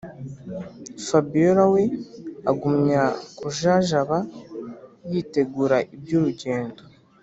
fabiora we agumya kujajaba yitegura ibyurugendo